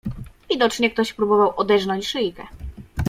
"Widocznie ktoś próbował oderznąć szyjkę."